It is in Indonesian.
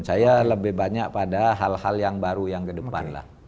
saya lebih banyak pada hal hal yang baru yang ke depan lah